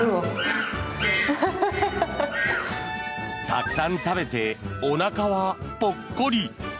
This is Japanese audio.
たくさん食べておなかはぽっこり。